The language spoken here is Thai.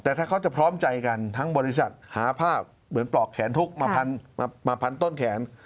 แต่ถ้าเขาจะพร้อมใจกันทั้งบริษัทหาภาพเหมือนปลอกแขนทุกข์มาพันต้นแขน